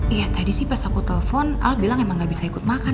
iya tadi sih pas aku telepon al bilang emang gak bisa ikut makan